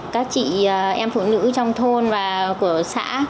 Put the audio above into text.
các chị em phụ nữ trong thôn và của xã